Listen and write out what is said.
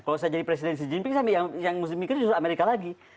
kalau saya jadi presiden xi jinping yang harus dipikirin justru amerika lagi